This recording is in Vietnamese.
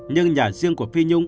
nhưng nhà riêng của phi nhung